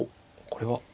これは。